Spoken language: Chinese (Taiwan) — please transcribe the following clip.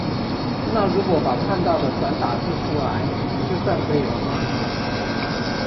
那如果把看到的轉打字出來，就算可以了嗎？